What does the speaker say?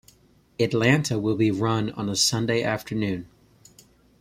Atlanta will be run on a Sunday afternoon.